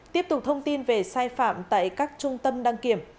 tiếp tục thông tin về sai phạm tại các trung tâm đăng kiểm